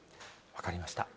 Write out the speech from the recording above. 分かりました。